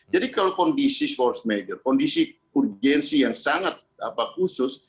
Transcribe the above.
jadi kalau kondisi force majeur kondisi urgensi yang sangat khusus